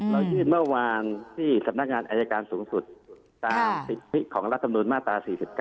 เรายื่นเมื่อวานที่สำนาคารอัยการสูงสุดตามของรัฐสำนุนมาตร๔๙